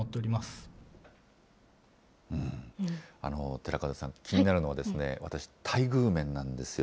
寺門さん、気になるのは、私、待遇面なんですよ。